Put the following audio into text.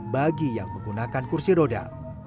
bagi yang menggunakan kursi roda